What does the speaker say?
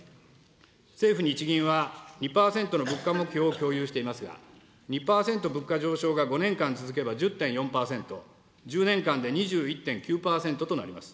政府・日銀は２％の物価目標を共有していますが、２％物価上昇が５年間続けば１０．４％、１０年間で２１．９％となります。